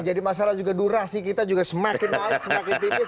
ya jadi masalah juga durasi kita juga semakin naik semakin tipis